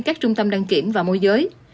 các trung tâm đăng kiểm và môi giới